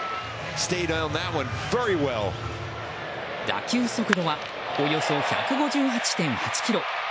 打球速度はおよそ１５８．８キロ。